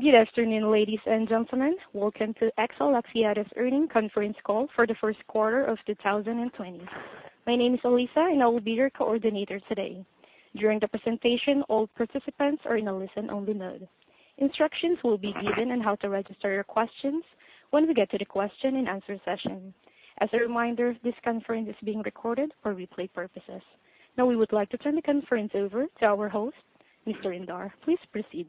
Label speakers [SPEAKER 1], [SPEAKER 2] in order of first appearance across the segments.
[SPEAKER 1] Good afternoon, ladies and gentlemen. Welcome to XL Axiata's earnings conference call for the Q1 of 2020. My name is Alyssa. I will be your coordinator today. During the presentation, all participants are in a listen-only mode. Instructions will be given on how to register your questions when we get to the question and answer session. As a reminder, this conference is being recorded for replay purposes. We would like to turn the conference over to our host, Mr. Indar. Please proceed.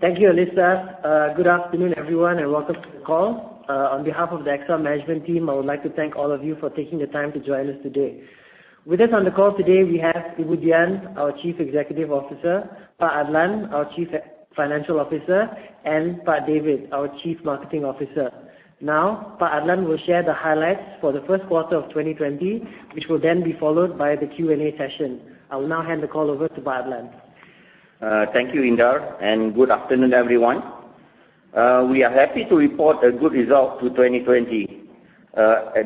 [SPEAKER 2] Thank you, Alyssa. Good afternoon, everyone, and welcome to the call. On behalf of the XL management team, I would like to thank all of you for taking the time to join us today. With us on the call today, we have Ibu Dian, our Chief Executive Officer, Pak Adlan, our Chief Financial Officer, and Pak David, our Chief Marketing Officer. Now, Pak Adlan will share the highlights for the Q1 of 2020, which will then be followed by the Q&A session. I will now hand the call over to Pak Adlan.
[SPEAKER 3] Thank you, Indar. Good afternoon, everyone. We are happy to report a good result to 2020.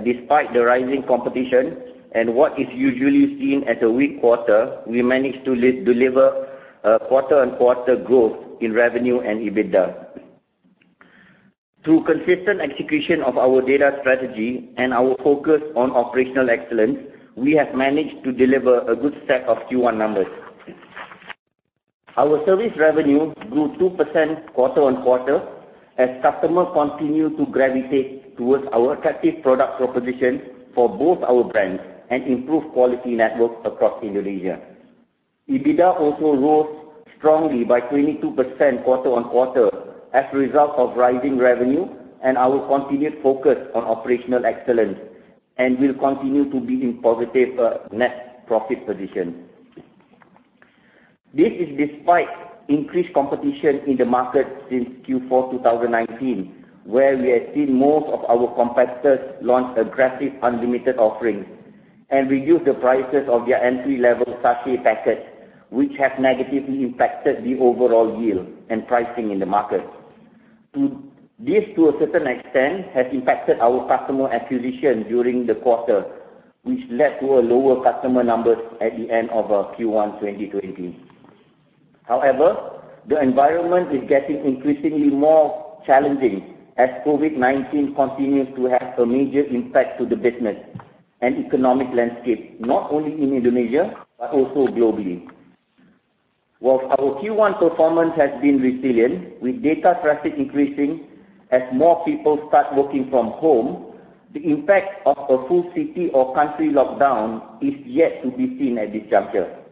[SPEAKER 3] Despite the rising competition and what is usually seen as a weak quarter, we managed to deliver quarter-on-quarter growth in revenue and EBITDA. Through consistent execution of our data strategy and our focus on operational excellence, we have managed to deliver a good set of Q1 numbers. Our service revenue grew 2% quarter-on-quarter as customers continue to gravitate towards our attractive product proposition for both our brands and improved quality network across Indonesia. EBITDA also rose strongly by 22% quarter-on-quarter as a result of rising revenue and our continued focus on operational excellence and will continue to be in positive net profit position. This is despite increased competition in the market since Q4 2019, where we have seen most of our competitors launch aggressive unlimited offerings and reduce the prices of their entry-level sachet packets, which have negatively impacted the overall yield and pricing in the market. This, to a certain extent, has impacted our customer acquisition during the quarter, which led to a lower customer numbers at the end of Q1 2020. However, the environment is getting increasingly more challenging as COVID-19 continues to have a major impact to the business and economic landscape, not only in Indonesia, but also globally. While our Q1 performance has been resilient, with data traffic increasing as more people start working from home, the impact of a full city or country lockdown is yet to be seen at this juncture.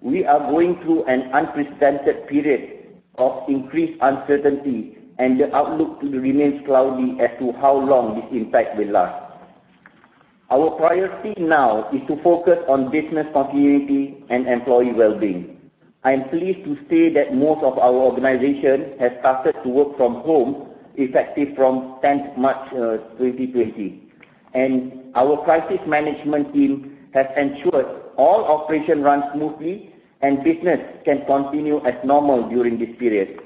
[SPEAKER 3] We are going through an unprecedented period of increased uncertainty, and the outlook remains cloudy as to how long this impact will last. Our priority now is to focus on business continuity and employee well-being. I am pleased to say that most of our organization has started to work from home effective from 10th March 2020, and our crisis management team has ensured all operation runs smoothly and business can continue as normal during this period.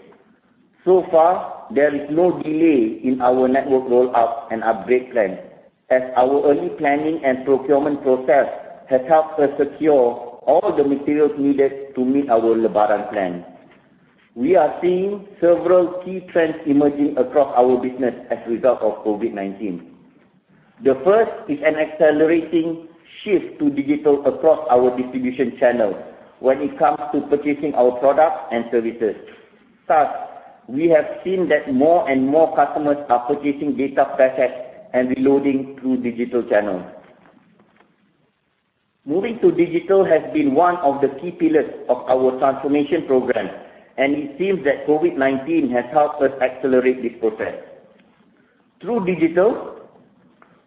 [SPEAKER 3] So far, there is no delay in our network rollout and upgrade plan, as our early planning and procurement process has helped us secure all the materials needed to meet our Lebaran plan. We are seeing several key trends emerging across our business as a result of COVID-19. The first is an accelerating shift to digital across our distribution channel when it comes to purchasing our products and services. We have seen that more and more customers are purchasing data packets and reloading through digital channels. Moving to digital has been one of the key pillars of our transformation program, and it seems that COVID-19 has helped us accelerate this process. Through digital,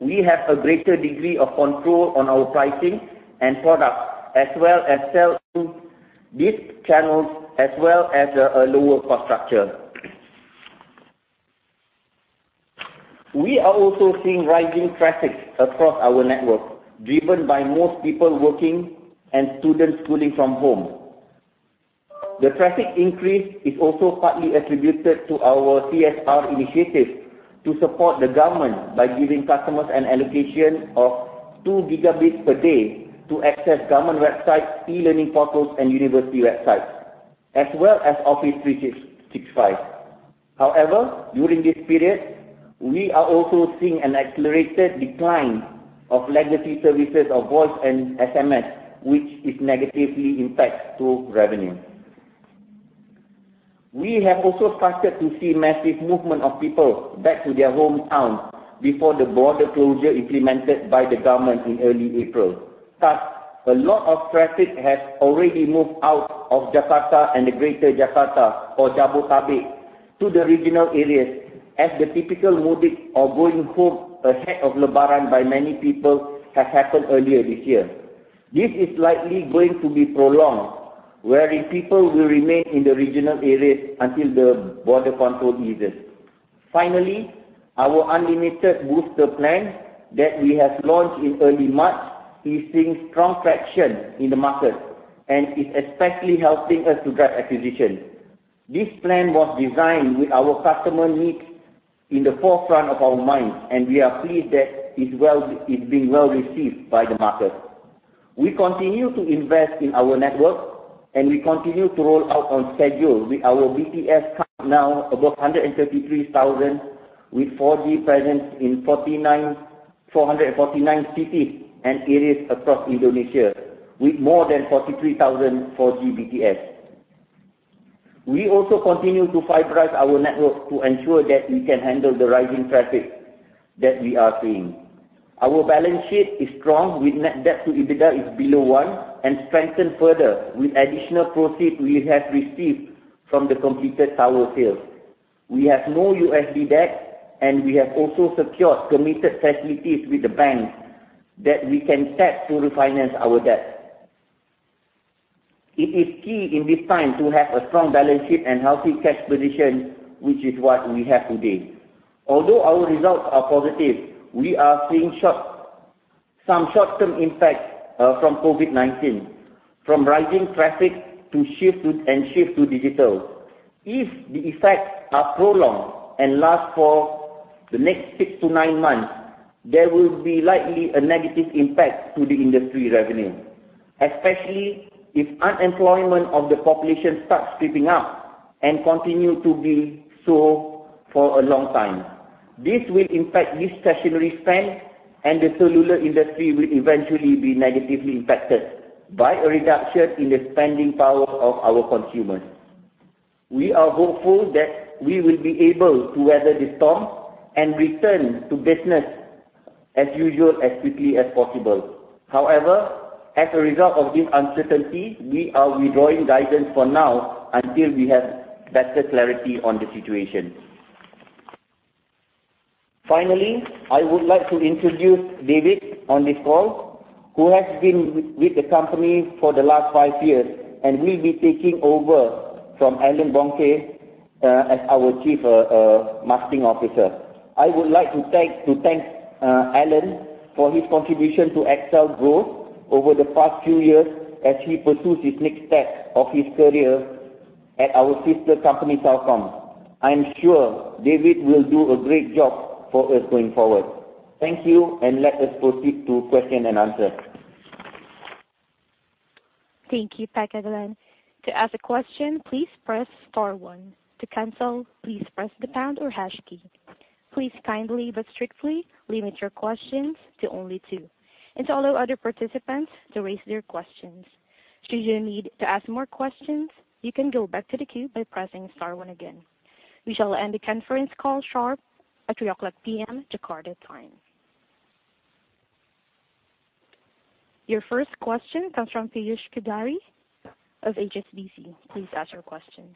[SPEAKER 3] we have a greater degree of control on our pricing and products as well as sell through these channels, as well as a lower cost structure. We are also seeing rising traffic across our network, driven by more people working and students schooling from home. The traffic increase is also partly attributed to our CSR initiative to support the government by giving customers an allocation of two gigabytes per day to access government websites, e-learning portals, and university websites, as well as Office 365. However, during this period, we are also seeing an accelerated decline of legacy services of voice and SMS, which is negatively impact to revenue. We have also started to see massive movement of people back to their hometown before the border closure implemented by the government in early April. A lot of traffic has already moved out of Jakarta and the greater Jakarta or Jabodetabek to the regional areas as the typical mudik or going home ahead of Lebaran by many people has happened earlier this year. This is likely going to be prolonged, wherein people will remain in the regional areas until the border control eases. Our Unlimited Booster plan that we have launched in early March is seeing strong traction in the market and is especially helping us to drive acquisition. This plan was designed with our customer needs in the forefront of our minds, and we are pleased that it's being well received by the market. We continue to invest in our network, and we continue to roll out on schedule with our BTS count now above 133,000, with 4G presence in 449 cities and areas across Indonesia, with more than 43,000 4G BTS. We also continue to fiberize our network to ensure that we can handle the rising traffic that we are seeing. Our balance sheet is strong, with net debt to EBITDA is below one, and strengthened further with additional proceeds we have received from the completed tower sales. We have no USD debt, and we have also secured committed facilities with the banks that we can tap to refinance our debt. It is key in this time to have a strong balance sheet and healthy cash position, which is what we have today. Although our results are positive, we are seeing some short-term impacts from COVID-19, from rising traffic, and shift to digital. If the effects are prolonged and last for the next six to nine months, there will be likely a negative impact to the industry revenue. Especially, if unemployment of the population starts creeping up and continue to be so for a long time. This will impact discretionary spend and the cellular industry will eventually be negatively impacted by a reduction in the spending power of our consumers. We are hopeful that we will be able to weather the storm and return to business as usual, as quickly as possible. However, as a result of this uncertainty, we are withdrawing guidance for now until we have better clarity on the situation. I would like to introduce David on this call, who has been with the company for the last five years and will be taking over from Allan Bonke as our Chief Marketing Officer. I would like to thank Allan for his contribution to XL growth over the past few years as he pursues his next step of his career at our sister company, Telkom. I am sure David will do a great job for us going forward. Thank you, and let us proceed to question and answer.
[SPEAKER 1] Thank you, Pak Adlan. To ask a question, please press star one. To cancel, please press the pound or hash key. Please kindly but strictly limit your questions to only two and to allow other participants to raise their questions. Should you need to ask more questions, you can go back to the queue by pressing star one again. We shall end the conference call sharp at 3:00 P.M. Jakarta time. Your first question comes from Piyush Choudhary of HSBC. Please ask your question.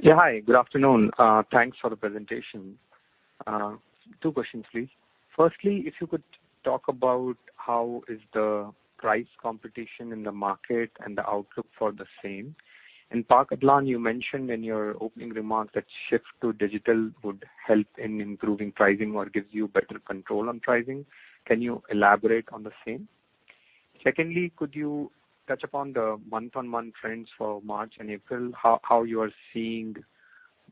[SPEAKER 4] Yeah. Hi, good afternoon. Thanks for the presentation. Two questions, please. Firstly, if you could talk about how is the price competition in the market and the outlook for the same? Pak Adlan, you mentioned in your opening remarks that shift to digital would help in improving pricing or gives you better control on pricing. Can you elaborate on the same? Secondly, could you touch upon the month-on-month trends for March and April, how you are seeing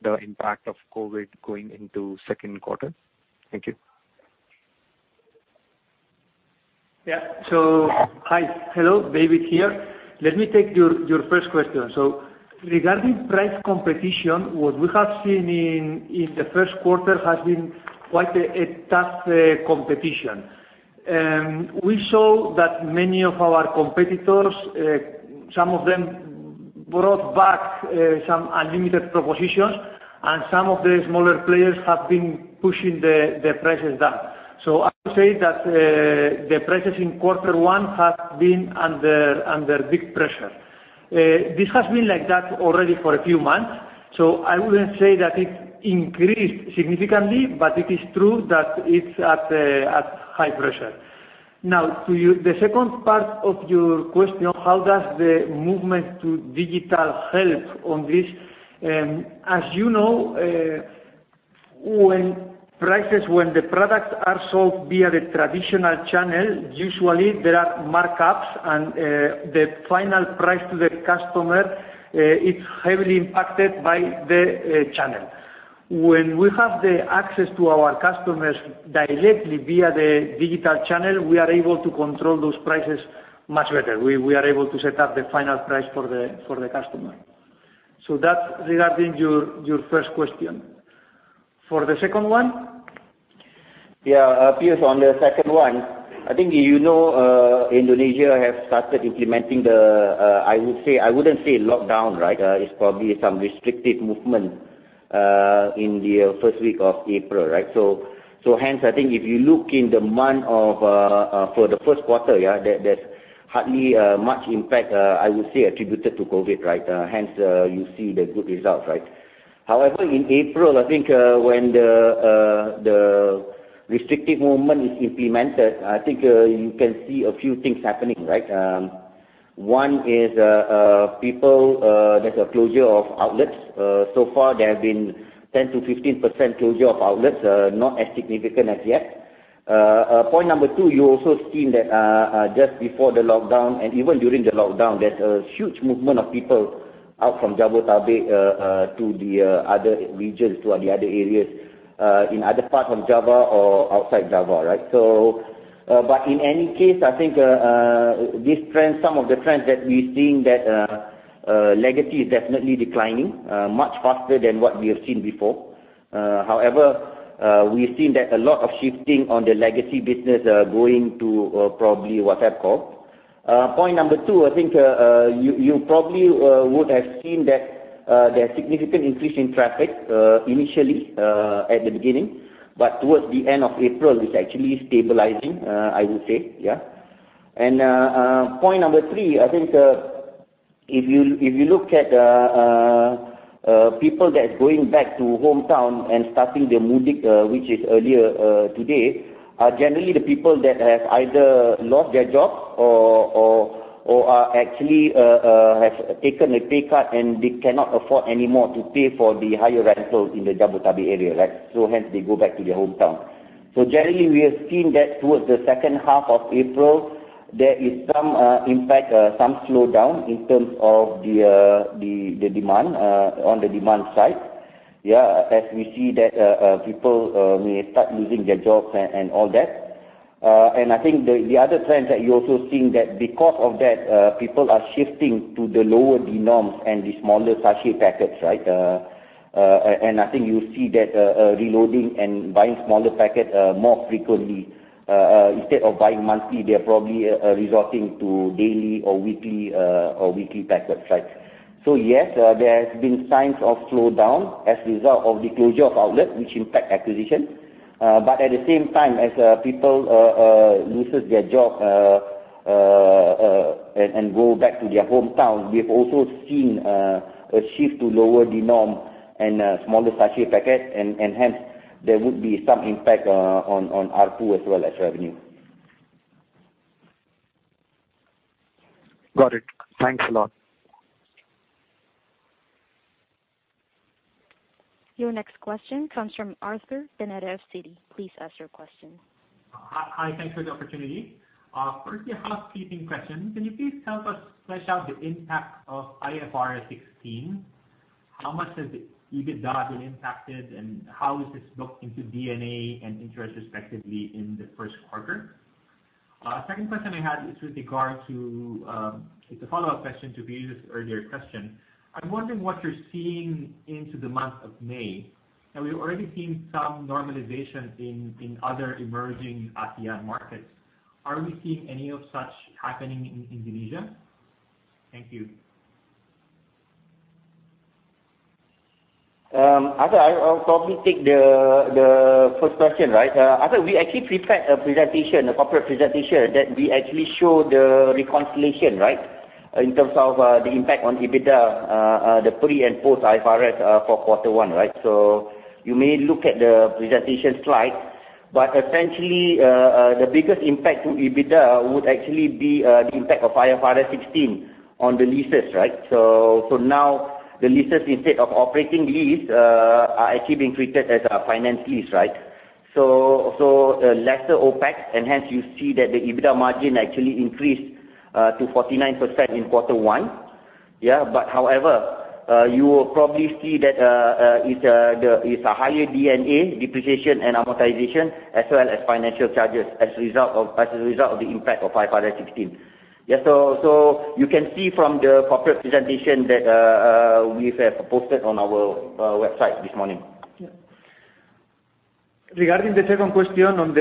[SPEAKER 4] the impact of COVID-19 going into Q2? Thank you.
[SPEAKER 5] Yeah. Hi. Hello. David here. Let me take your first question. Regarding price competition, what we have seen in Q1 has been quite a tough competition. We saw that many of our competitors, some of them brought back some unlimited propositions, some of the smaller players have been pushing their prices down. I would say that the prices in Q1 have been under big pressure. This has been like that already for a few months, I wouldn't say that it increased significantly, it is true that it's at high pressure. Now, to the second part of your question, how does the movement to digital help on this? As you know, when the products are sold via the traditional channel, usually there are markups the final price to the customer, it's heavily impacted by the channel. When we have the access to our customers directly via the digital channel, we are able to control those prices much better. We are able to set up the final price for the customer. That's regarding your first question. For the second one?
[SPEAKER 3] Yeah. Piyush, on the second one, I think you know Indonesia have started implementing the, I wouldn't say lockdown, right? It's probably some restrictive movement, in the first week of April, right? Hence, I think if you look in the month for the Q1, yeah, there's hardly much impact, I will say, attributed to COVID, right? Hence, you see the good results, right? However, in April, I think, when the restrictive movement is implemented, I think you can see a few things happening, right? One is there's a closure of outlets. So far there have been 10%-15% closure of outlets, not as significant as yet. Point number two, you also seen that just before the lockdown and even during the lockdown, there's a huge movement of people out from Jabodetabek to the other regions or the other areas, in other parts from Java or outside Java, right? In any case, I think some of the trends that we're seeing, that legacy is definitely declining much faster than what we have seen before. However, we've seen that a lot of shifting on the legacy business going to probably WhatsApp Call. Point number two, I think you probably would have seen that there are significant increase in traffic, initially, at the beginning. Towards the end of April, it's actually stabilizing, I would say. Point number three, I think if you look at people that going back to hometown and starting their mudik, which is earlier today, are generally the people that have either lost their job or actually have taken a pay cut, and they cannot afford any more to pay for the higher rental in the Jabodetabek area, right? Hence they go back to their hometown. Generally, we have seen that towards the H2 of April, there is some impact, some slowdown in terms of the demand, on the demand side. As we see that people may start losing their jobs and all that. I think the other trends that you're also seeing that because of that, people are shifting to the lower denoms and the smaller sachet packets. I think you'll see that reloading and buying smaller packets more frequently instead of buying monthly, they're probably resorting to daily or weekly packets. Yes, there has been signs of slowdown as a result of the closure of outlets, which impact acquisition. At the same time, as people loses their job and go back to their hometown, we've also seen a shift to lower denom and smaller sachet packets. Hence, there would be some impact on ARPU as well as revenue.
[SPEAKER 4] Got it. Thanks a lot.
[SPEAKER 1] Your next question comes from Arthur, Citi. Please ask your question.
[SPEAKER 6] Hi. Thanks for the opportunity. Firstly, a housekeeping question. Can you please help us flesh out the impact of IFRS 16? How much has EBITDA been impacted, and how is this booked into D&A and interest, respectively, in the Q1? Second question I had is with regard to It's a follow-up question to Piyush's earlier question. I'm wondering what you're seeing into the month of May. Now, we've already seen some normalization in other emerging ASEAN markets. Are we seeing any of such happening in Indonesia? Thank you.
[SPEAKER 3] Arthur, I'll probably take the first question. Arthur, we actually prepared a presentation, a corporate presentation, that we actually show the reconciliation in terms of the impact on EBITDA, the pre and post IFRS for quarter one. You may look at the presentation slide, essentially, the biggest impact to EBITDA would actually be the impact of IFRS 16 on the leases. Now the leases, instead of operating lease, are actually being treated as a finance lease. Lesser OPEX, and hence you see that the EBITDA margin actually increased to 49% in quarter one. However, you will probably see that it's a higher D&A, depreciation and amortization, as well as financial charges as a result of the impact of IFRS 16. You can see from the corporate presentation that we have posted on our website this morning.
[SPEAKER 5] Yeah. Regarding the second question on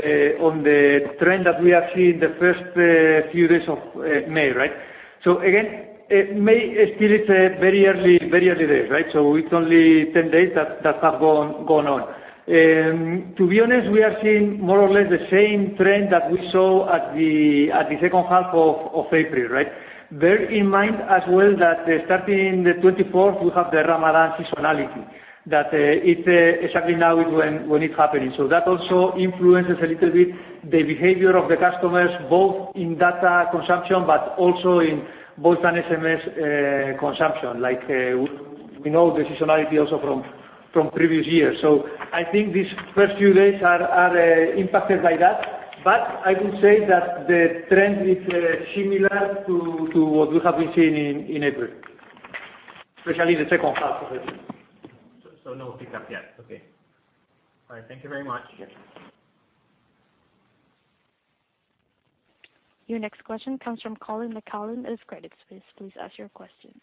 [SPEAKER 5] the trend that we are seeing the first few days of May. Again, May, still it's very early days. It's only 10 days that have gone on. To be honest, we are seeing more or less the same trend that we saw at the H2 of April. Bear in mind as well that starting the 24th, we have the Ramadan seasonality. That it's exactly now when it's happening. That also influences a little bit the behavior of the customers, both in data consumption, but also in voice and SMS consumption. We know the seasonality also from previous years. I think these first few days are impacted by that. I will say that the trend is similar to what we have been seeing in April, especially the H2 of April.
[SPEAKER 6] No pickup yet. Okay. All right. Thank you very much.
[SPEAKER 5] Yes.
[SPEAKER 1] Your next question comes from Colin McCallum at Credit Suisse. Please ask your question.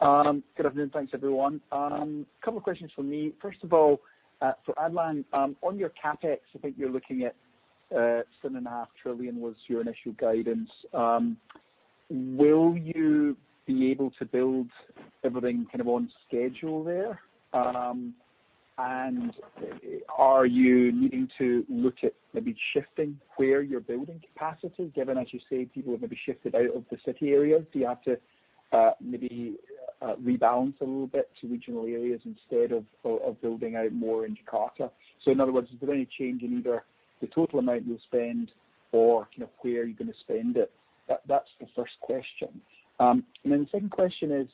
[SPEAKER 7] Good afternoon. Thanks, everyone. Couple questions from me. First of all, for Adlan, on your CapEx, I think you're looking at 7.5 trillion was your initial guidance. Will you be able to build everything on schedule there? Are you needing to look at maybe shifting where you're building capacity, given, as you say, people have maybe shifted out of the city areas? Do you have to maybe rebalance a little bit to regional areas instead of building out more in Jakarta? In other words, is there any change in either the total amount you'll spend or where you're going to spend it? That's the first question. The second question is,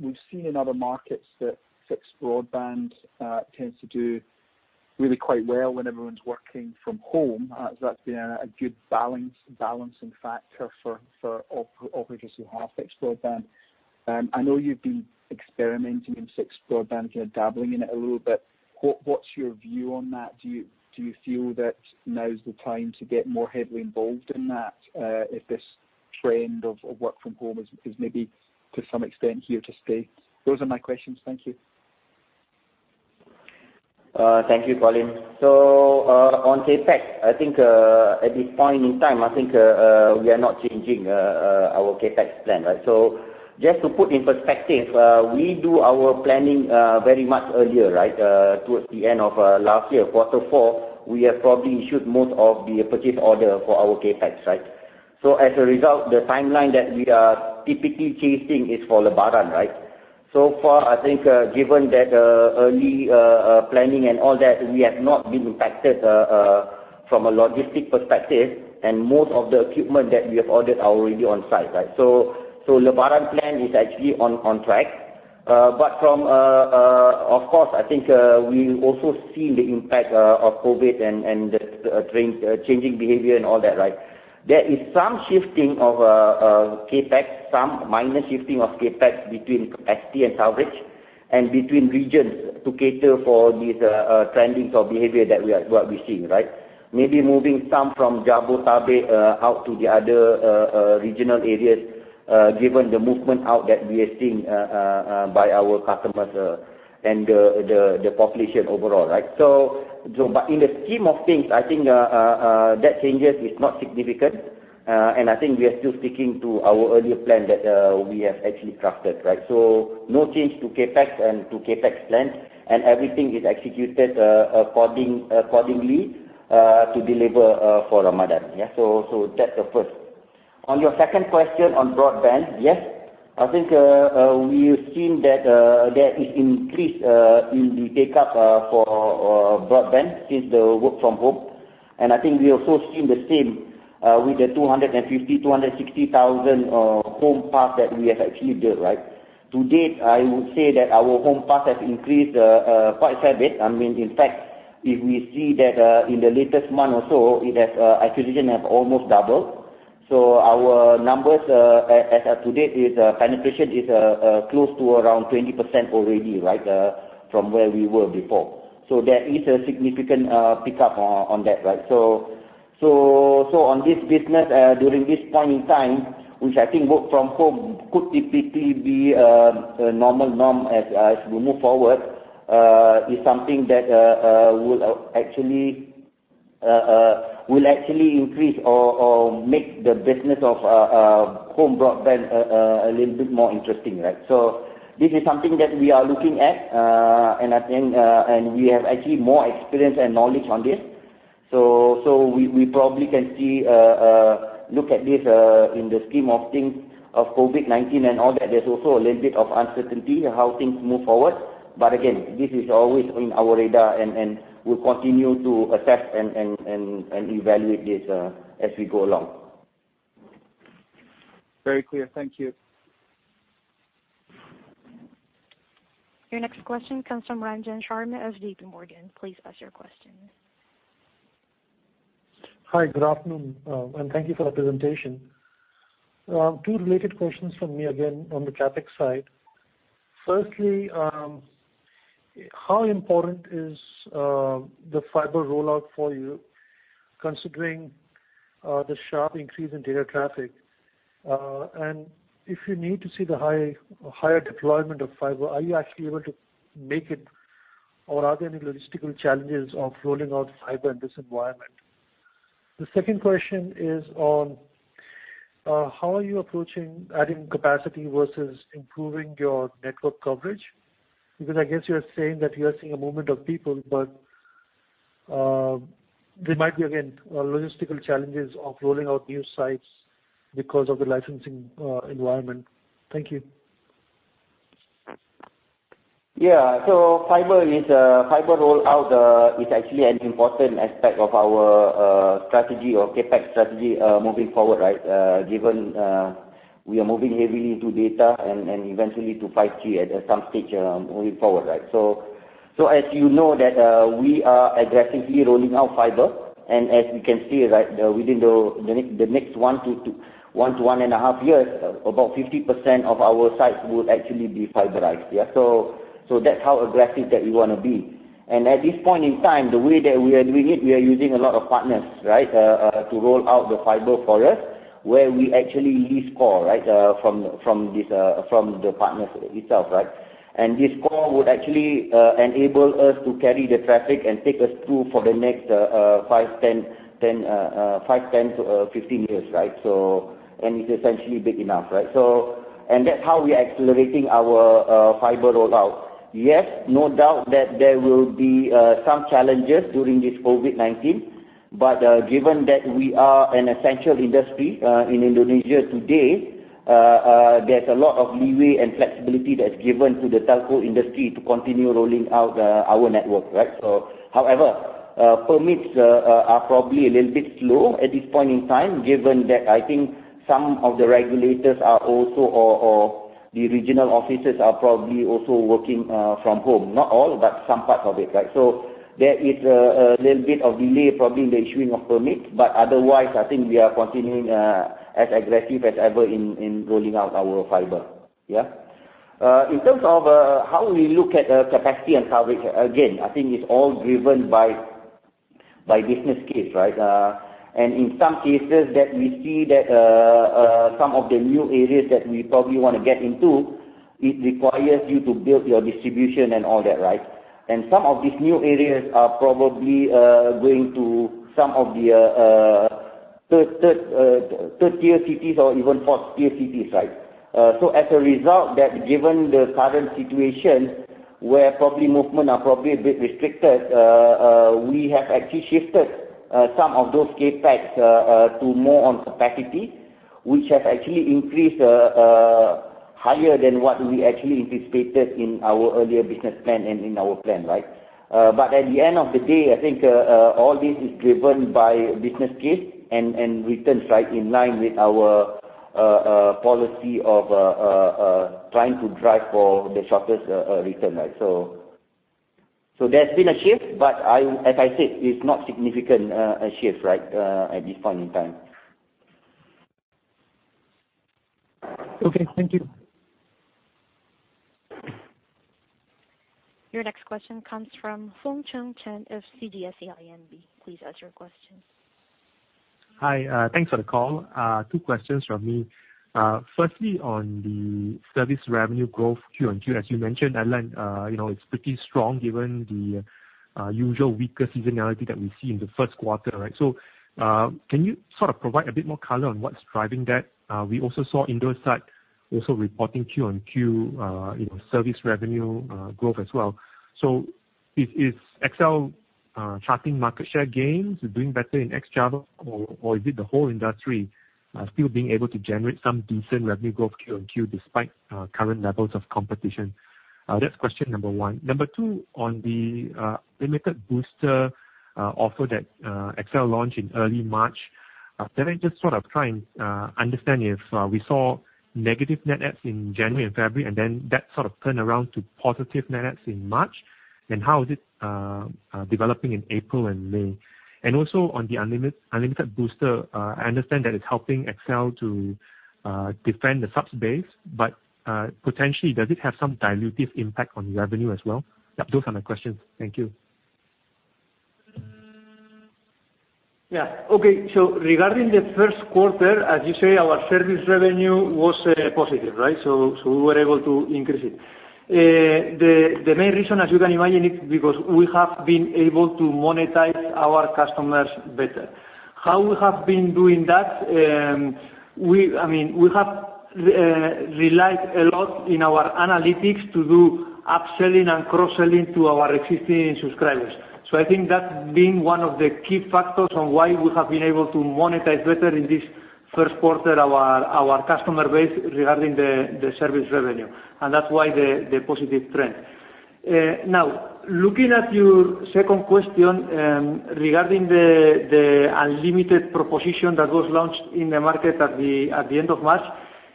[SPEAKER 7] we've seen in other markets that fixed broadband tends to do really quite well when everyone's working from home. That's been a good balancing factor for operators who have fixed broadband. I know you've been experimenting with fixed broadband, kind of dabbling in it a little bit. What's your view on that? Do you feel that now's the time to get more heavily involved in that, if this trend of work from home is maybe, to some extent, here to stay? Those are my questions. Thank you.
[SPEAKER 3] Thank you, Colin. On CapEx, I think, at this point in time, I think we are not changing our CapEx plan. Just to put in perspective, we do our planning very much earlier. Towards the end of last year, Q4, we have probably issued most of the purchase order for our CapEx. As a result, the timeline that we are typically chasing is for Lebaran. Far, I think, given that early planning and all that, we have not been impacted, from a logistic perspective, and most of the equipment that we have ordered are already on site. Lebaran plan is actually on track. From, of course, I think, we also see the impact of COVID-19 and the changing behavior and all that. There is some shifting of CapEx, some minor shifting of CapEx between capacity and CapEx, and between regions to cater for these trending of behavior that we are seeing. Maybe moving some from Jabodetabek out to the other regional areas, given the movement out that we are seeing by our customers and the population overall. In the scheme of things, I think that changes is not significant. I think we are still sticking to our earlier plan that we have actually crafted. No change to CapEx and to CapEx plans, and everything is executed accordingly to deliver for Ramadan. Yeah, that's the first. On your second question on broadband, yes, I think, we've seen that there is increase in the take-up for broadband since the work from home. I think we also seen the same with the 250,000, 260,000 home pass that we have actually built. To date, I would say that our home pass has increased quite a bit. In fact, if we see that, in the latest month or so, acquisition have almost doubled. Our numbers as at to date is, penetration is close to around 20% already from where we were before. There is a significant pick-up on that. On this business, during this point in time, which I think work from home could typically be a normal norm as we move forward, is something that will actually increase or make the business of home broadband a little bit more interesting. This is something that we are looking at. We have actually more experience and knowledge on this, so we probably can look at this in the scheme of things of COVID-19 and all that. There's also a little bit of uncertainty how things move forward. Again, this is always on our radar and we'll continue to assess and evaluate this as we go along.
[SPEAKER 7] Very clear. Thank you.
[SPEAKER 1] Your next question comes from Ranjan Sharma of JP Morgan. Please ask your question.
[SPEAKER 8] Hi. Good afternoon, and thank you for the presentation. Two related questions from me again on the CapEx side. Firstly, how important is the fiber rollout for you, considering the sharp increase in data traffic? If you need to see the higher deployment of fiber, are you actually able to make it, or are there any logistical challenges of rolling out fiber in this environment? The second question is on how are you approaching adding capacity versus improving your network coverage? I guess you're saying that you are seeing a movement of people, but there might be, again, logistical challenges of rolling out new sites because of the licensing environment. Thank you.
[SPEAKER 3] Yeah. Fiber rollout is actually an important aspect of our strategy or CapEx strategy moving forward, given we are moving heavily into data and eventually to 5G at some stage moving forward. As you know that, we are aggressively rolling out fiber, and as we can see within the next one to one and a half years, about 50% of our sites will actually be fiberized. At this point in time, the way that we are doing it, we are using a lot of partners to roll out the fiber for us, where we actually lease core from the partners itself. This core would actually enable us to carry the traffic and take us through for the next 5, 10-15 years. It's essentially big enough. That's how we are accelerating our fiber rollout. Yes, no doubt that there will be some challenges during this COVID-19. Given that we are an essential industry in Indonesia today, there's a lot of leeway and flexibility that's given to the telco industry to continue rolling out our network. However, permits are probably a little bit slow at this point in time, given that I think some of the regulators or the regional offices are probably also working from home. Not all. Some parts of it. There is a little bit of delay probably in the issuing of permits. Otherwise, I think we are continuing as aggressive as ever in rolling out our fiber. In terms of how we look at capacity and coverage, again, I think it's all driven by business case. In some cases that we see that some of the new areas that we probably want to get into, it requires you to build your distribution and all that. Some of these new areas are probably going to some of the tier 3 cities or even tier 4 cities. As a result, given the current situation, where probably movement are probably a bit restricted, we have actually shifted some of those CapEx to more on capacity, which has actually increased higher than what we actually anticipated in our earlier business plan and in our plan. At the end of the day, I think all this is driven by business case and returns, in line with our policy of trying to drive for the shortest return. There's been a shift, but as I said, it's not significant a shift at this point in time.
[SPEAKER 8] Okay, thank you.
[SPEAKER 1] Your next question comes from Foong Choong Chen of CGS-CIMB. Please ask your question.
[SPEAKER 9] Hi, thanks for the call. Two questions from me. Firstly, on the service revenue growth quarter-on-quarter, as you mentioned, Adlan, it's pretty strong given the usual weaker seasonality that we see in the Q1. Can you sort of provide a bit more color on what's driving that? We also saw Indosat also reporting quarter-on-quarter service revenue growth as well. Is XL charting market share gains, doing better in ex-Java, or is it the whole industry still being able to generate some decent revenue growth quarter-on-quarter despite current levels of competition? That's question number one. Number two, on the Unlimited Booster offer that XL launched in early March, David, just sort of trying to understand if we saw negative net adds in January and February, and then that sort of turned around to positive net adds in March, then how is it developing in April and May? Also on the Unlimited Booster, I understand that it's helping XL to defend the subs base, but potentially, does it have some dilutive impact on revenue as well? Yeah, those are my questions. Thank you.
[SPEAKER 5] Okay, regarding the Q1, as you say, our service revenue was positive. We were able to increase it. The main reason, as you can imagine, is because we have been able to monetize our customers better. How we have been doing that, we have relied a lot in our analytics to do upselling and cross-selling to our existing subscribers. I think that's been one of the key factors on why we have been able to monetize better in this Q1, our customer base regarding the service revenue. That's why the positive trend. Now, looking at your second question regarding the unlimited proposition that was launched in the market at the end of March.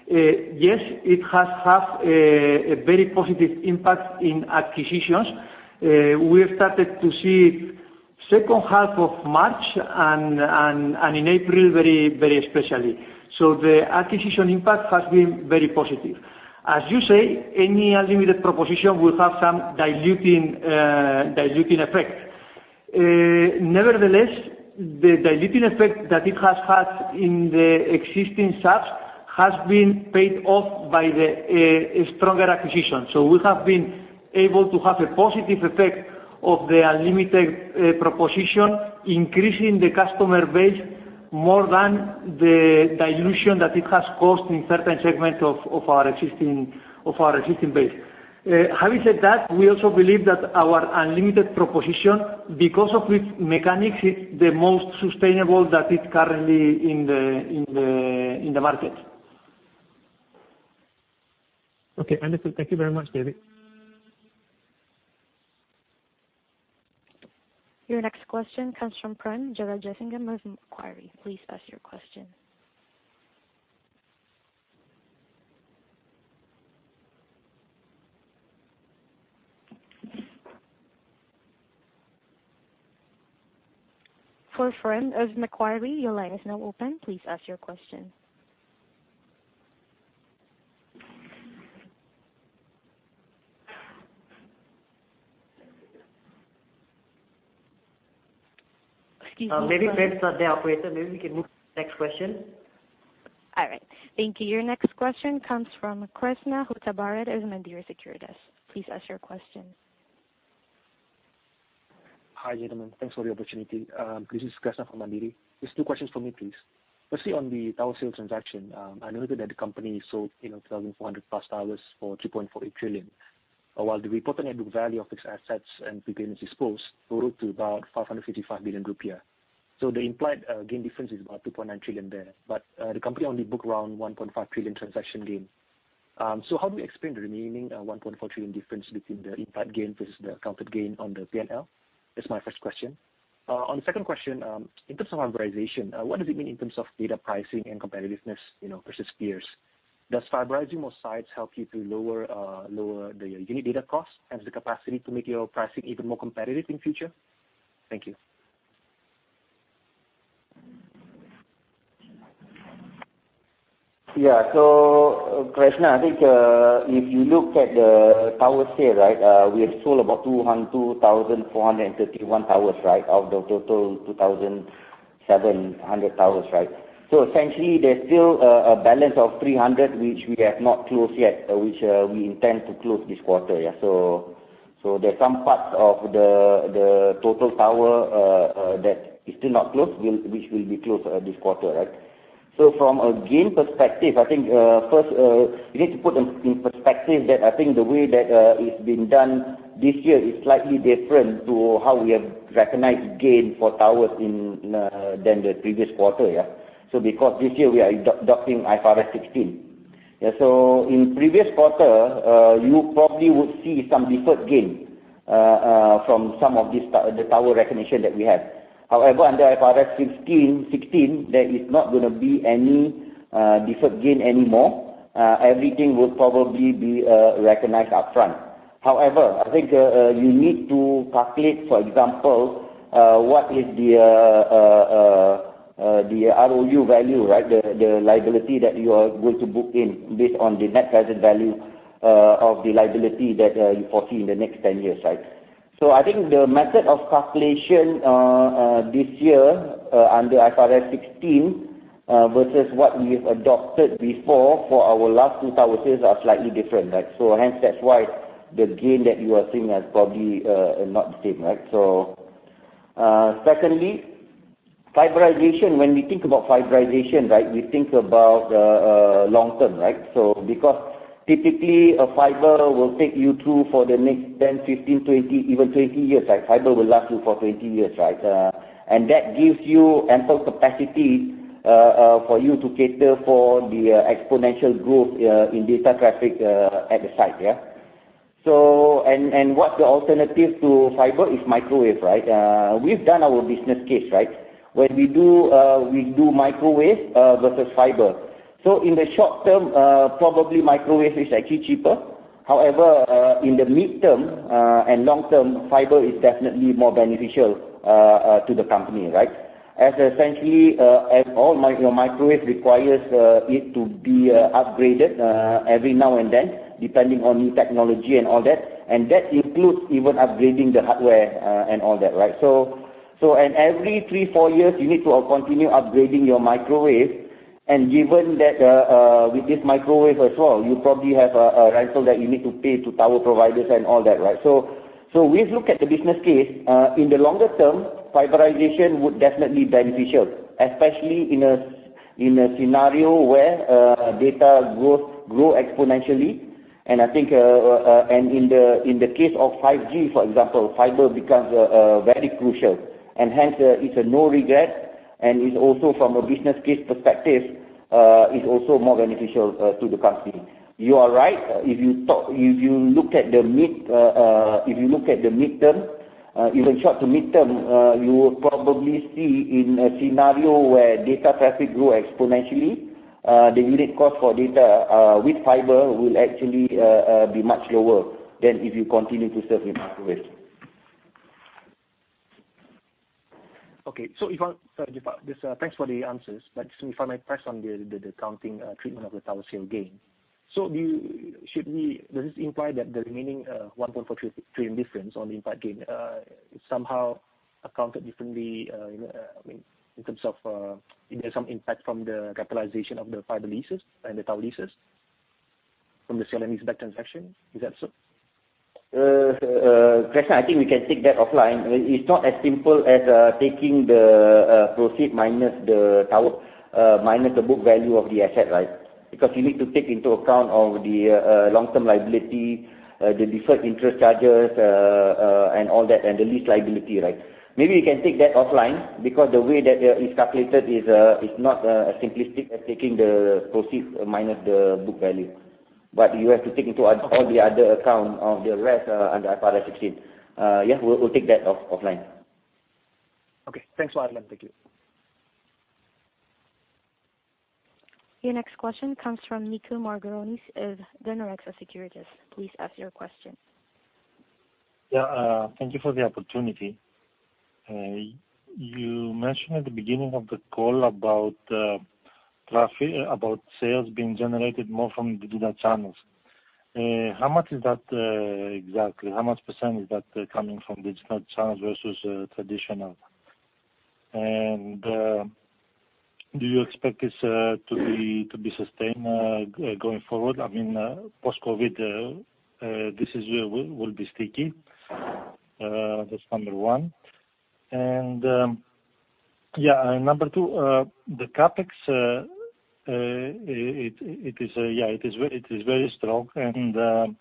[SPEAKER 5] Yes, it has had a very positive impact in acquisitions. We have started to see it H2 of March and in April very especially. The acquisition impact has been very positive. As you say, any unlimited proposition will have some diluting effect. Nevertheless, the diluting effect that it has had in the existing subs has been paid off by the stronger acquisition. We have been able to have a positive effect of the unlimited proposition, increasing the customer base more than the dilution that it has caused in certain segments of our existing base. Having said that, we also believe that our unlimited proposition, because of its mechanics, is the most sustainable that is currently in the market.
[SPEAKER 9] Okay, understood. Thank you very much, David.
[SPEAKER 1] Your next question comes from Prem Jearajasingam of Macquarie. Please ask your question. For Prem of Macquarie, your line is now open. Please ask your question. Excuse me, Prem.
[SPEAKER 3] Maybe Prem's not there, operator. Maybe we can move to the next question.
[SPEAKER 1] All right. Thank you. Your next question comes from Kresna Hutabarat of Mandiri Sekuritas. Please ask your question.
[SPEAKER 10] Hi, gentlemen. Thanks for the opportunity. This is Kresna from Mandiri. Just two questions for me, please. On the tower sale transaction, I noted that the company sold 2,400-plus towers for IDR 3.48 trillion. While the reported net book value of its assets and property disposed grew to about 555 billion rupiah. The implied gain difference is about 2.9 trillion there. The company only booked around 1.5 trillion transaction gain. How do we explain the remaining 1.4 trillion difference between the implied gain versus the accounted gain on the P&L? That's my first question. On the second question, in terms of fiberization, what does it mean in terms of data pricing and competitiveness versus peers? Does fiberizing more sites help you to lower the unit data cost and the capacity to make your pricing even more competitive in future? Thank you.
[SPEAKER 3] Yeah. Kresna, I think if you look at the towers here, we have sold about 2,431 towers out of the total 2,700 towers. Essentially, there's still a balance of 300, which we have not closed yet, which we intend to close this quarter. There's some parts of the total tower that is still not closed, which will be closed this quarter. From a gain perspective, I think, first, you need to put in perspective that, I think the way that it's been done this year is slightly different to how we have recognized gain for towers than the previous quarter. Because this year we are adopting IFRS 16. In previous quarter, you probably would see some deferred gain from some of the tower recognition that we have. However, under IFRS 16, there is not going to be any deferred gain anymore. Everything will probably be recognized upfront. However, I think you need to calculate, for example, what is the ROU value, the liability that you are going to book in based on the net present value of the liability that you foresee in the next 10 years. I think the method of calculation this year under IFRS 16 versus what we've adopted before for our last two towers sales are slightly different. Hence that's why the gain that you are seeing is probably not the same. Secondly, fiberization. When we think about fiberization, we think about the long-term. Because typically a fiber will take you through for the next 10, 15, 20, even 20 years. Fiber will last you for 20 years. That gives you ample capacity for you to cater for the exponential growth in data traffic at the site. What's the alternative to fiber is microwave. We've done our business case. When we do microwave versus fiber. In the short term, probably microwave is actually cheaper. However, in the mid-term and long-term, fiber is definitely more beneficial to the company. Essentially, as all microwaves requires it to be upgraded every now and then, depending on new technology and all that. That includes even upgrading the hardware and all that. Every three, four years, you need to continue upgrading your microwave. Given that with this microwave as well, you probably have a rental that you need to pay to tower providers and all that. We've looked at the business case. In the longer term, fiberization would definitely be beneficial, especially in a scenario where data grow exponentially. I think in the case of 5G, for example, fiber becomes very crucial. Hence it's a no regret and is also from a business case perspective, is also more beneficial to the company. You are right. If you look at the mid-term, even short to mid-term, you will probably see in a scenario where data traffic grow exponentially, the unit cost for data with fiber will actually be much lower than if you continue to serve with microwave.
[SPEAKER 10] Okay. Thanks for the answers. If I may press on the accounting treatment of the tower sale gain. Does this imply that the remaining 1.4 trillion difference on the impact gain is somehow accounted differently in terms of, if there's some impact from the capitalization of the fiber leases and the tower leases from the sale and leaseback transaction? Is that so?
[SPEAKER 3] Kresna, I think we can take that offline. It's not as simple as taking the proceed minus the tower, minus the book value of the asset. You need to take into account all the long-term liability, the deferred interest charges, and all that, and the lease liability. Maybe we can take that offline because the way that it's calculated is not as simplistic as taking the proceed minus the book value. You have to take into all the other account of the rest under IFRS 16. Yeah, we'll take that offline.
[SPEAKER 10] Okay. Thanks for that. Thank you.
[SPEAKER 1] Your next question comes from Niko Margaronis of Danareksa Sekuritas. Please ask your question.
[SPEAKER 11] Yeah. Thank you for the opportunity. You mentioned at the beginning of the call about sales being generated more from digital channels. How much is that exactly? How much % is that coming from digital channels versus traditional? Do you expect this to be sustained going forward? I mean, post-COVID-19, this will be sticky. That's number one. Yeah. Number two, the CapEx, it is very strong and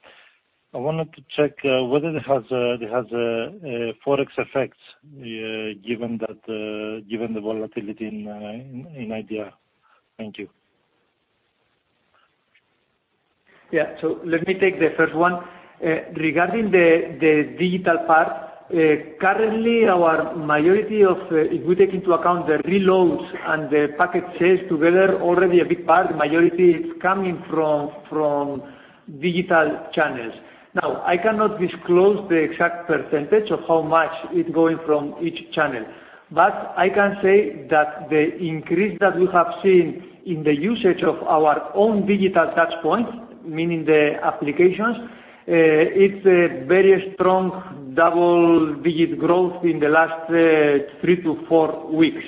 [SPEAKER 11] I wanted to check whether it has Forex effects, given the volatility in IDR. Thank you.
[SPEAKER 5] Yeah. Let me take the first one. Regarding the digital part, currently our majority of, if we take into account the reloads and the packet sales together, already a big part, the majority is coming from digital channels. I cannot disclose the exact percentage of how much is going from each channel, but I can say that the increase that we have seen in the usage of our own digital touch points, meaning the applications, it's a very strong double-digit growth in the last three to four weeks.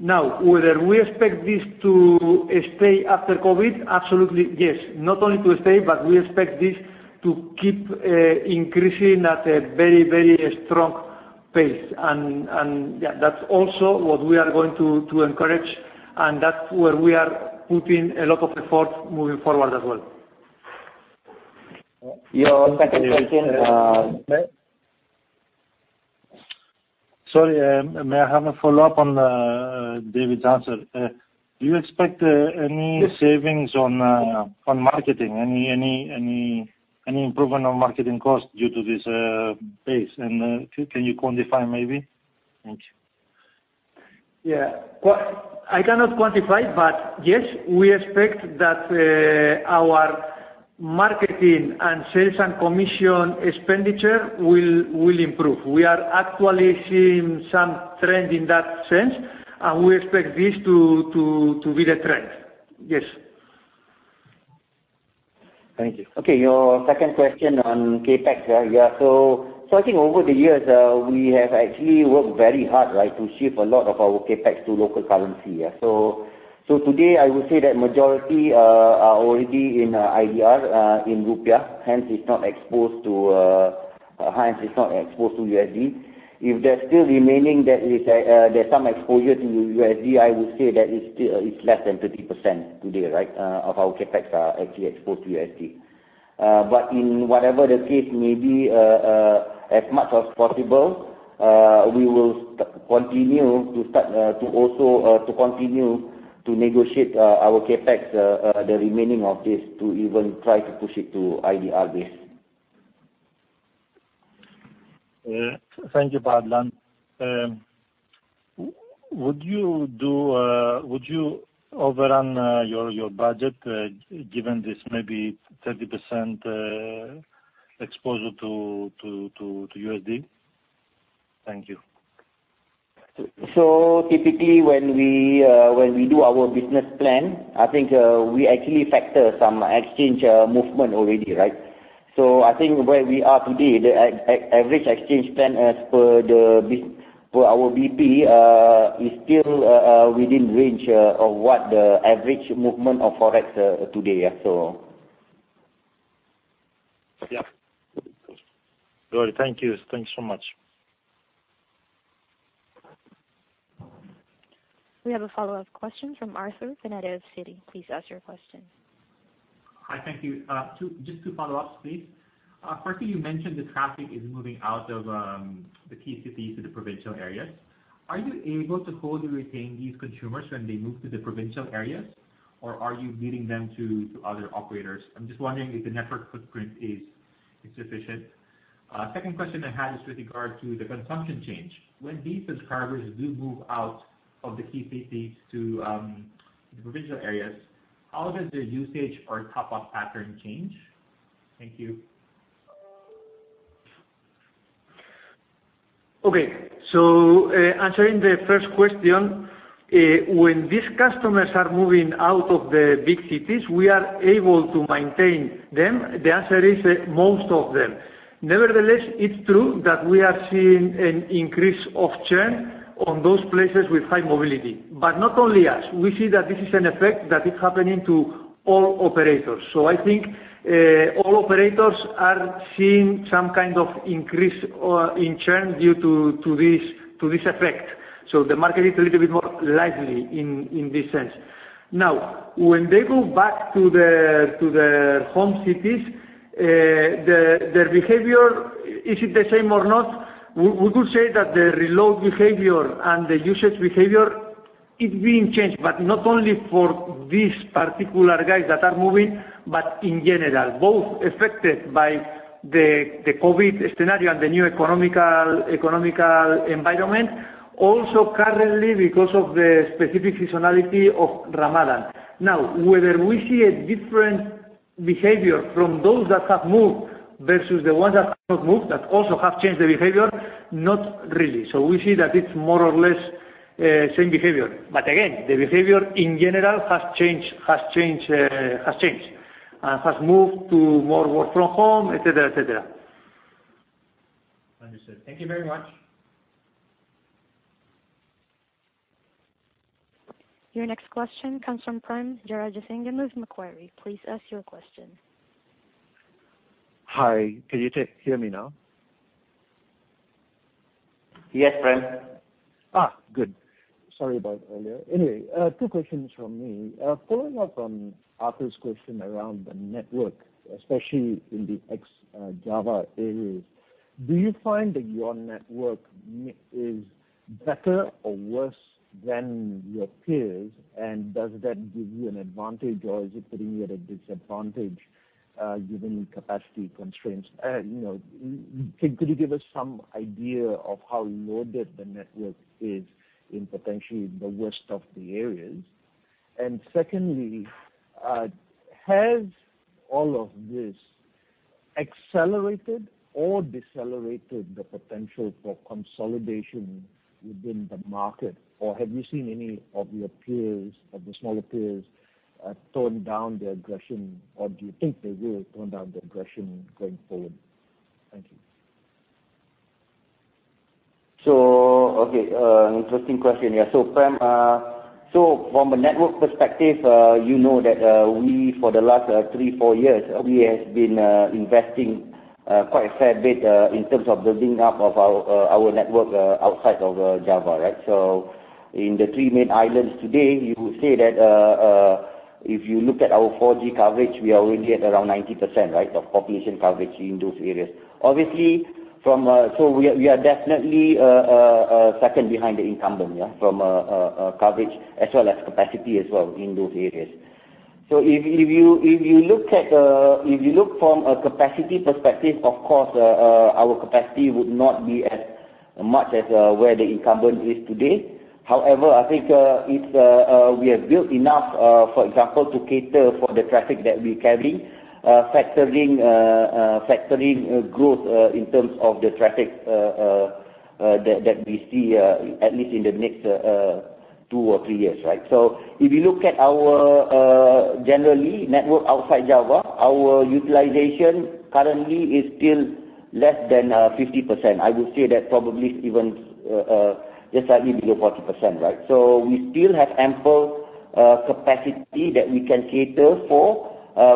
[SPEAKER 5] Whether we expect this to stay after COVID, absolutely yes. Not only to stay, but we expect this to keep increasing at a very strong pace. That's also what we are going to encourage, and that's where we are putting a lot of effort moving forward as well.
[SPEAKER 3] Your second question.
[SPEAKER 11] Sorry, may I have a follow-up on David's answer? Do you expect any savings on marketing? Any improvement on marketing cost due to this pace? Can you quantify maybe? Thank you.
[SPEAKER 5] Yeah. I cannot quantify, but yes, we expect that our marketing and sales and commission expenditure will improve. We are actually seeing some trend in that sense, and we expect this to be the trend. Yes.
[SPEAKER 11] Thank you.
[SPEAKER 3] Your second question on CapEx. I think over the years, we have actually worked very hard, to shift a lot of our CapEx to local currency. Today, I would say that majority are already in IDR, in Rupiah, hence it's not exposed to USD. If there's still remaining that there's some exposure to USD, I would say that it's less than 30% today, of our CapEx are actually exposed to USD. In whatever the case may be, as much as possible, we will continue to negotiate our CapEx, the remaining of this, to even try to push it to IDR base.
[SPEAKER 11] Yeah. Thank you, Adlan. Would you overrun your budget, given this maybe 30% exposure to USD? Thank you.
[SPEAKER 3] Typically when we do our business plan, I think we actually factor some exchange movement already, right? I think where we are today, the average exchange plan as per our BP is still within range of what the average movement of Forex today is.
[SPEAKER 11] Yeah. Thank you. Thanks so much.
[SPEAKER 1] We have a follow-up question from Arthur Pineda of Citi. Please ask your question.
[SPEAKER 6] Hi, thank you. Just two follow-ups, please. Firstly, you mentioned the traffic is moving out of the key cities to the provincial areas. Are you able to wholly retain these consumers when they move to the provincial areas, or are you leading them to other operators? I'm just wondering if the network footprint is sufficient. Second question I had is with regard to the consumption change. When these subscribers do move out of the key cities to the provincial areas, how does their usage or top-up pattern change? Thank you.
[SPEAKER 5] Okay. Answering the first question, when these customers are moving out of the big cities, we are able to maintain them. The answer is most of them. Nevertheless, it's true that we are seeing an increase of churn on those places with high mobility. Not only us. We see that this is an effect that is happening to all operators. I think all operators are seeing some kind of increase in churn due to this effect. The market is a little bit more lively in this sense. When they go back to their home cities, their behavior, is it the same or not? We could say that the reload behavior and the usage behavior is being changed, but not only for these particular guys that are moving, but in general. Both affected by the COVID-19 scenario and the new economical environment. Currently, because of the specific seasonality of Ramadan. Whether we see a different behavior from those that have moved versus the ones that have not moved, that also have changed their behavior, not really. We see that it's more or less same behavior. Again, the behavior in general has changed. Has moved to more work from home, et cetera.
[SPEAKER 6] Understood. Thank you very much.
[SPEAKER 1] Your next question comes from Prem Jearajasingam with Macquarie. Please ask your question.
[SPEAKER 12] Hi. Can you hear me now?
[SPEAKER 3] Yes, Prem.
[SPEAKER 12] Good. Sorry about earlier. Two questions from me. Following up on Arthur's question around the network, especially in the ex-Java areas, do you find that your network is better or worse than your peers? Does that give you an advantage or is it putting you at a disadvantage, given capacity constraints? Could you give us some idea of how loaded the network is in potentially the worst of the areas? Secondly, has all of this accelerated or decelerated the potential for consolidation within the market, or have you seen any of your peers, of the smaller peers, tone down their aggression, or do you think they will tone down their aggression going forward? Thank you.
[SPEAKER 3] Okay. Interesting question, yeah. Prem, from a network perspective, you know that we, for the last three, four years, we have been investing quite a fair bit in terms of building up our network outside of Java, right? In the three main islands today, you would say that if you look at our 4G coverage, we are already at around 90%, right, of population coverage in those areas. We are definitely second behind the incumbent from a coverage as well as capacity as well in those areas. If you look from a capacity perspective, of course, our capacity would not be as much as where the incumbent is today. However, I think we have built enough for example, to cater for the traffic that we carry, factoring growth in terms of the traffic that we see at least in the next two or three years, right? If you look at our generally network outside Java, our utilization currently is still less than 50%. I would say that probably even just slightly below 40%, right? We still have ample capacity that we can cater for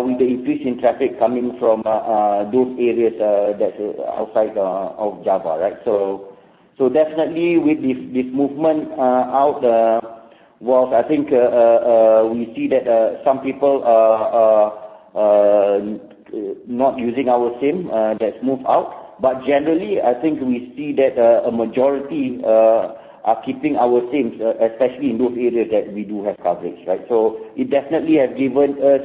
[SPEAKER 3] with the increase in traffic coming from those areas that outside of Java, right? Definitely with this movement out, whilst I think we see that some people are not using our SIM that move out, but generally, I think we see that a majority are keeping our SIMs, especially in those areas that we do have coverage, right? It definitely has given us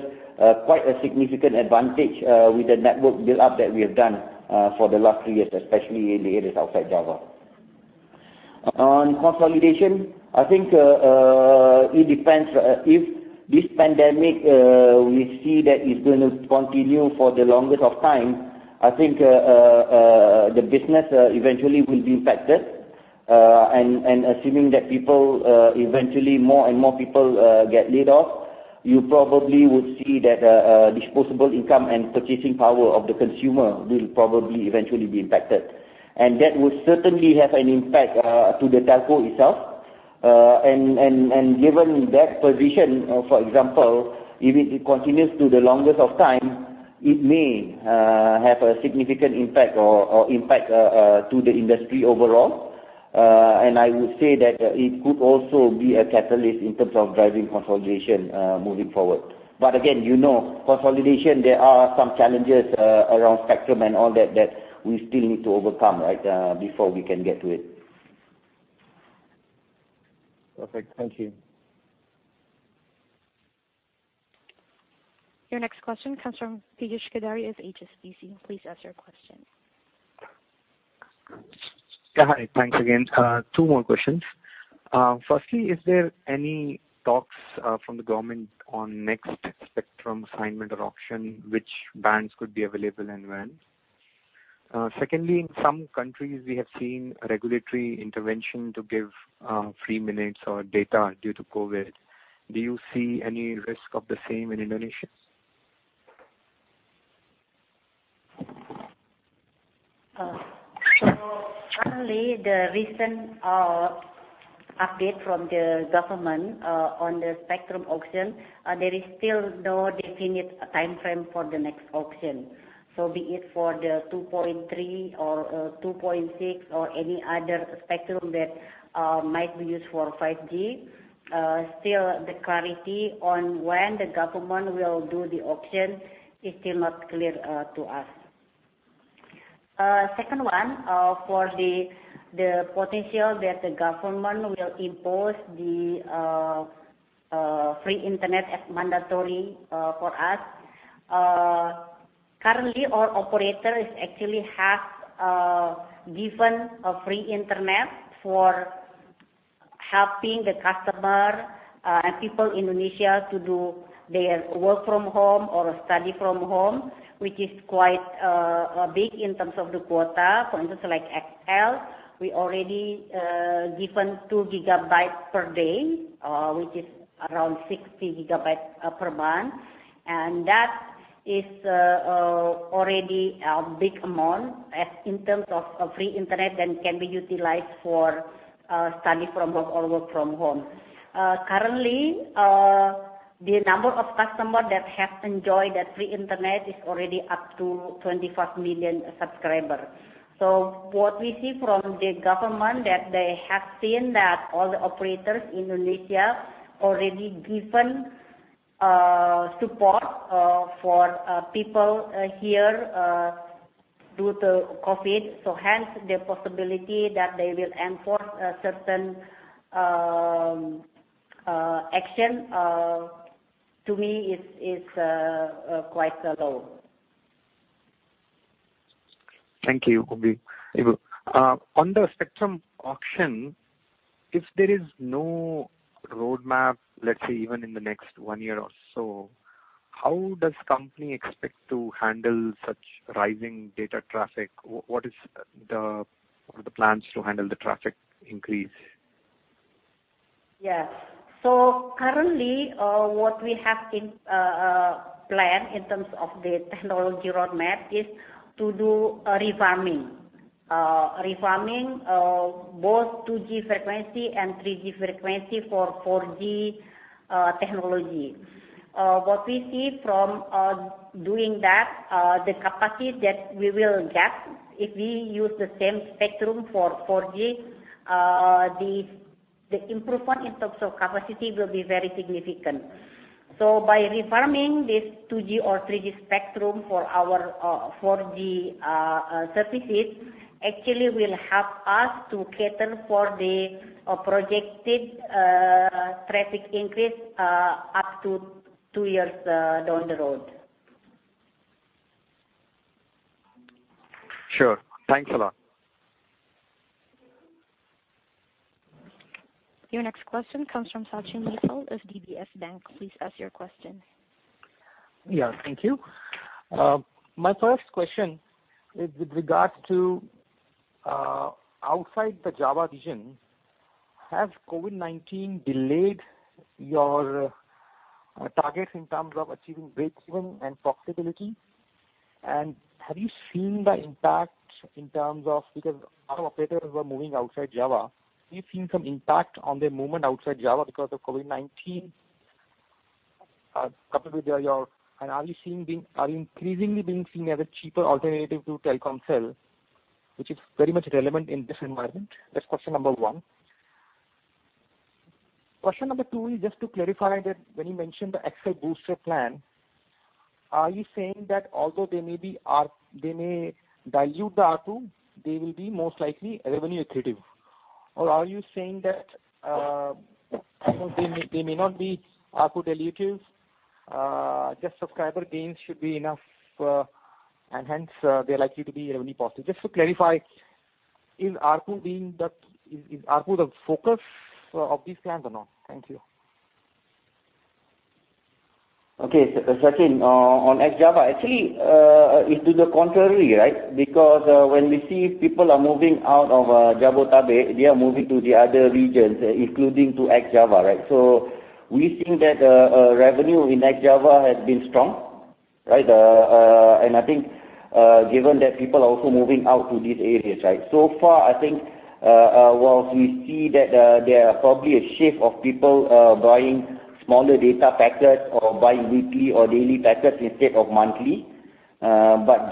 [SPEAKER 3] quite a significant advantage, with the network build-up that we have done for the last three years, especially in the areas outside Java. On consolidation, I think it depends, if this pandemic, we see that it's going to continue for the longest of time, I think the business eventually will be impacted. Assuming that eventually more and more people get laid off, you probably would see that disposable income and purchasing power of the consumer will probably eventually be impacted. That would certainly have an impact to the telco itself. Given that position, for example, if it continues to the longest of time, it may have a significant impact or impact to the industry overall. I would say that it could also be a catalyst in terms of driving consolidation moving forward. Again, consolidation, there are some challenges around spectrum and all that we still need to overcome before we can get to it.
[SPEAKER 12] Perfect. Thank you.
[SPEAKER 1] Your next question comes from Piyush Choudhary of HSBC. Please ask your question.
[SPEAKER 4] Hi. Thanks again. Two more questions. Is there any talks from the government on next spectrum assignment or auction, which bands could be available and when? In some countries, we have seen a regulatory intervention to give free minutes or data due to COVID-19. Do you see any risk of the same in Indonesia?
[SPEAKER 13] Currently, the recent update from the government on the spectrum auction, there is still no definite timeframe for the next auction. Be it for the 2.3 or 2.6 or any other spectrum that might be used for 5G, still the clarity on when the government will do the auction is still not clear to us. Second one, for the potential that the government will impose the free internet as mandatory for us. Currently, all operators actually have given a free internet for helping the customer and people Indonesia to do their work from home or study from home, which is quite big in terms of the quota. For instance, like XL, we already given two gigabytes per day, which is around 60 gigabytes per month, and that is already a big amount as in terms of free internet that can be utilized for study from home or work from home. Currently, The number of customers that have enjoyed free Internet is already up to 24 million subscribers. What we see from the government, that they have seen that all the operators in Indonesia already given support for people here due to COVID. Hence, the possibility that they will enforce a certain action, to me is quite low.
[SPEAKER 4] Thank you. On the spectrum auction, if there is no roadmap, let's say even in the next one year or so, how does company expect to handle such rising data traffic? What are the plans to handle the traffic increase?
[SPEAKER 13] Yes. Currently, what we have in plan in terms of the technology roadmap is to do a refarming. Refarming both 2G frequency and 3G frequency for 4G technology. What we see from doing that, the capacity that we will get if we use the same spectrum for 4G, the improvement in terms of capacity will be very significant. By refarming this 2G or 3G spectrum for our 4G services, actually will help us to cater for the projected traffic increase up to two years down the road.
[SPEAKER 4] Sure. Thanks a lot.
[SPEAKER 1] Your next question comes from Sachin Mittal of DBS Bank. Please ask your question.
[SPEAKER 14] Yeah, thank you. My first question is with regards to outside the Java region, has COVID-19 delayed your targets in terms of achieving breakeven and profitability? Have you seen the impact in terms of, because a lot of operators were moving outside Java, have you seen some impact on their movement outside Java because of COVID-19? Coupled with your, are you increasingly being seen as a cheaper alternative to Telkomsel, which is very much relevant in this environment? That's question number one. Question number two is just to clarify that when you mentioned the XL Booster plan, are you saying that although they may dilute the ARPU, they will be most likely revenue accretive? Are you saying that they may not be ARPU dilutive, just subscriber gains should be enough, and hence, they're likely to be revenue positive? Just to clarify, is ARPU the focus of these plans or not? Thank you.
[SPEAKER 3] Okay, Sachin. On ex-Java, actually, it's to the contrary, right? Because when we see people are moving out of Jabodetabek, they are moving to the other regions, including to ex-Java, right? We think that revenue in ex-Java has been strong, right? I think given that people are also moving out to these areas. So far, I think whilst we see that there are probably a shift of people buying smaller data packets or buying weekly or daily packets instead of monthly.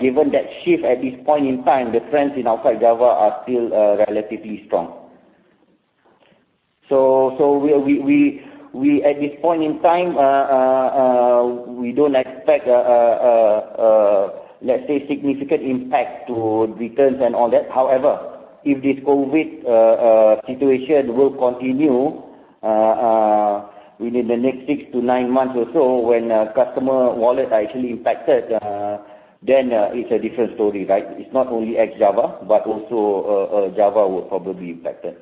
[SPEAKER 3] Given that shift at this point in time, the trends in outside Java are still relatively strong. At this point in time, we don't expect, let's say, significant impact to returns and all that. However, if this COVID situation will continue within the next six to nine months or so, when customer wallets are actually impacted, then it's a different story, right? It's not only ex-Java, but also Java will probably be impacted.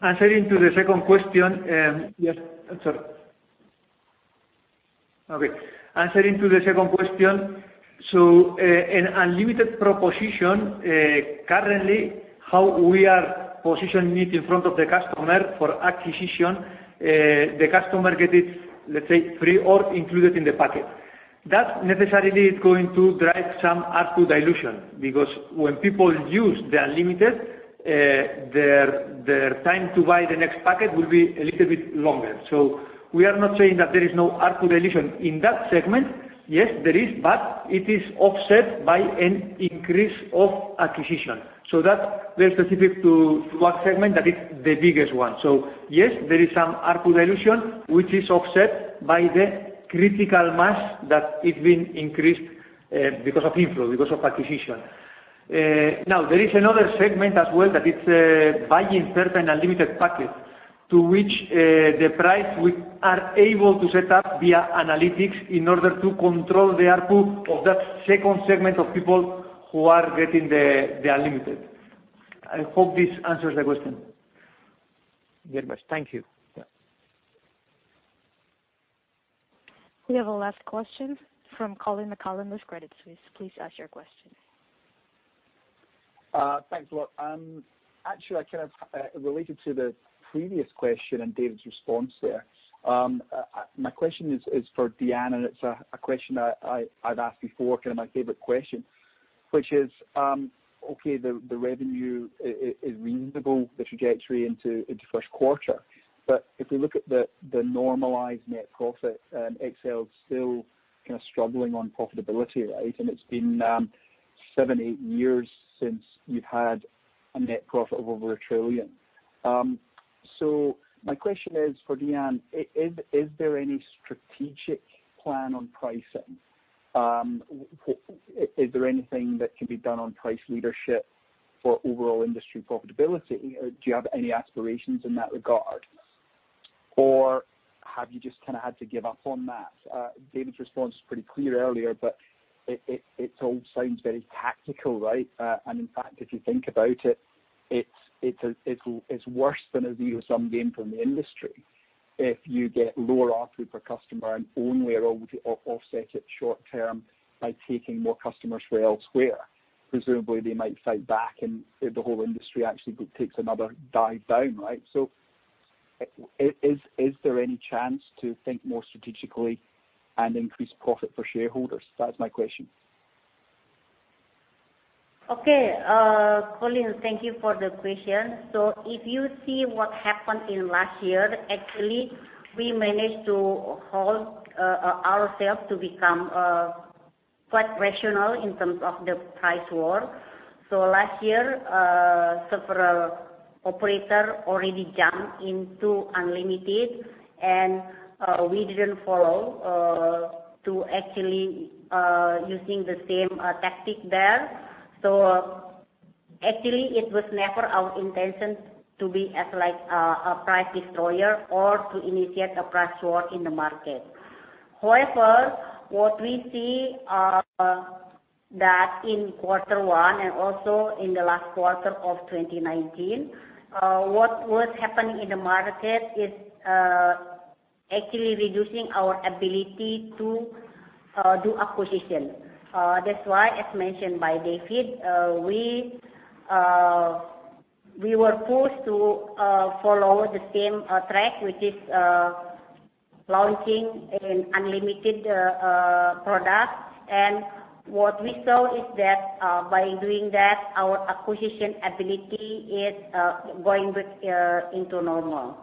[SPEAKER 5] Answering to the second question. An unlimited proposition, currently how we are positioning it in front of the customer for acquisition, the customer get it, let's say, free or included in the packet. That necessarily is going to drive some ARPU dilution, because when people use the unlimited, their time to buy the next packet will be a little bit longer. We are not saying that there is no ARPU dilution in that segment. Yes, there is, but it is offset by an increase of acquisition. That's very specific to one segment, that it's the biggest one. Yes, there is some ARPU dilution, which is offset by the critical mass that is being increased because of inflow, because of acquisition. Now, there is another segment as well that is buying certain unlimited packets, to which the price we are able to set up via analytics in order to control the ARPU of that second segment of people who are getting the unlimited. I hope this answers the question.
[SPEAKER 14] Very much. Thank you. Yeah.
[SPEAKER 1] We have a last question from Colin McCallum with Credit Suisse. Please ask your question.
[SPEAKER 7] Thanks a lot. Actually, I kind of related to the previous question and David's response there. My question is for Dian, and it's a question that I've asked before, kind of my favorite question. Which is, okay, the revenue is reasonable, the trajectory into Q1. If we look at the normalized net profit, XL is still kind of struggling on profitability, right? It's been seven, eight years since you've had a net profit of over 1 trillion. My question is for Dian, is there any strategic plan on pricing? Is there anything that can be done on price leadership for overall industry profitability? Do you have any aspirations in that regard? Have you just kind of had to give up on that? David's response was pretty clear earlier, it all sounds very tactical, right? In fact, if you think about it's worse than a zero-sum game from the industry if you get lower ARPU per customer and only are able to offset it short term by taking more customers from elsewhere. Presumably, they might fight back and the whole industry actually takes another dive down, right? Is there any chance to think more strategically and increase profit for shareholders? That's my question.
[SPEAKER 13] Colin, thank you for the question. If you see what happened in last year, actually, we managed to hold ourselves to become quite rational in terms of the price war. Last year, several operator already jumped into unlimited, and we didn't follow to actually using the same tactic there. Actually, it was never our intention to be as like a price destroyer or to initiate a price war in the market. However, what we see that in quarter one and also in the last quarter of 2019, what was happening in the market is actually reducing our ability to do acquisition. That's why, as mentioned by David, we were forced to follow the same track, which is launching an unlimited product. What we saw is that by doing that, our acquisition ability is going back into normal.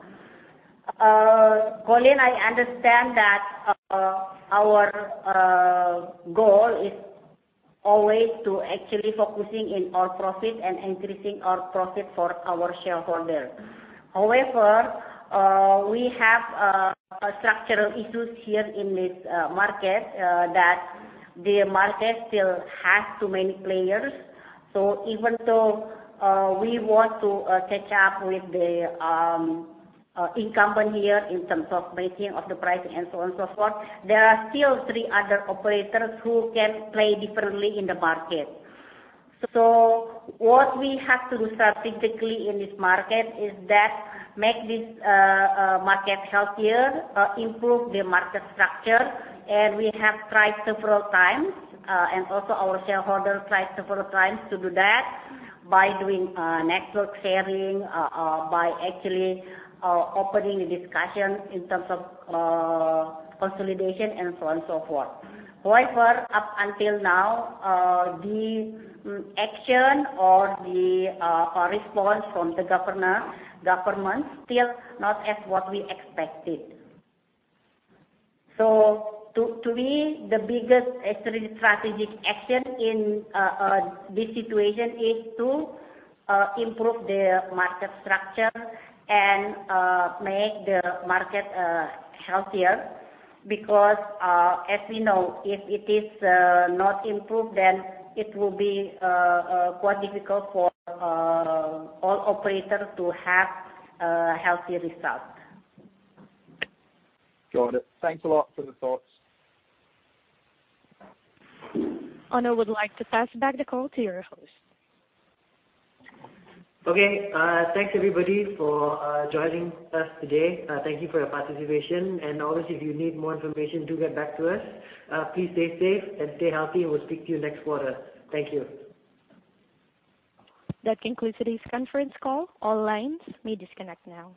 [SPEAKER 13] Colin, I understand that our goal is always to actually focusing on our profit and increasing our profit for our shareholder. However, we have structural issues here in this market that the market still has too many players. Even though we want to catch up with the incumbent here in terms of making of the pricing and so on and so forth, there are still three other operators who can play differently in the market. What we have to do strategically in this market is that make this market healthier, improve the market structure. We have tried several times, and also our shareholder tried several times to do that by doing network sharing, by actually opening a discussion in terms of consolidation and so on and so forth. However, up until now, the action or the response from the government still not as what we expected. To me, the biggest actually strategic action in this situation is to improve the market structure and make the market healthier because, as we know, if it is not improved, then it will be quite difficult for all operators to have a healthy result.
[SPEAKER 7] Got it. Thanks a lot for the thoughts.
[SPEAKER 1] I would like to pass back the call to your host.
[SPEAKER 2] Okay. Thanks everybody for joining us today. Thank you for your participation. Always, if you need more information, do get back to us. Please stay safe and stay healthy, and we'll speak to you next quarter. Thank you.
[SPEAKER 1] That concludes today's conference call. All lines may disconnect now.